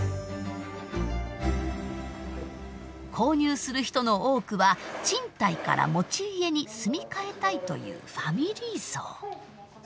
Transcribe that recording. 購入する人の多くは賃貸から持ち家に住み替えたいというファミリー層。